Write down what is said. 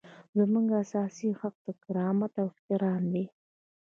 زموږ اساسي حق د کرامت او احترام دی.